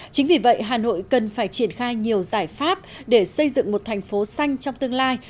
chính vì vậy hà nội cần phải triển khai nhiều giải pháp để xây dựng một thành phố xanh trong tương lai